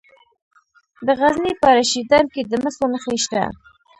د غزني په رشیدان کې د مسو نښې شته.